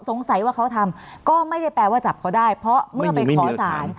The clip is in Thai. สงสัยว่าเขาทำก็ไม่ได้แปลว่าจับเขาได้เพราะเมื่อไปขอสาร